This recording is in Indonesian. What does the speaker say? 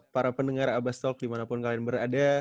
para pendengar abastalk dimanapun kalian berada